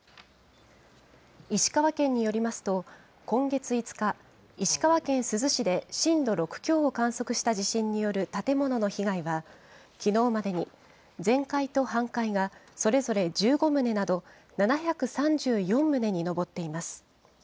石川県によりますと、今月５日、石川県珠洲市で震度６強を観測した地震による建物の被害は、きのうまでに全壊と半壊がそれぞれ１５棟など、７３４棟に上っています。